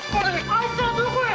⁉あいつらどこへ？